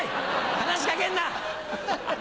話し掛けんな！